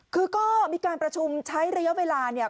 คือก็มีการประชุมใช้ระยะเวลาเนี่ย